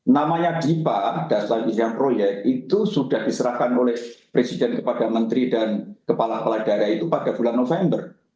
namanya dipa dasar izin proyek itu sudah diserahkan oleh presiden kepada menteri dan kepala kepala daerah itu pada bulan november